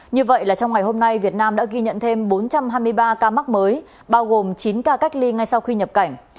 như vậy là trong ngày hôm nay việt nam đã ghi nhận thêm bốn trăm hai mươi ba ca mắc mới bao gồm chín ca cách ly ngay sau khi nhập cảnh